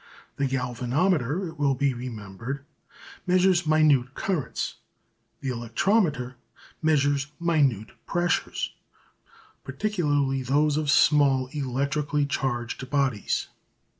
The galvanometer, it will be remembered, measures minute currents; the electrometer measures minute pressures, particularly those of small electrically charged bodies.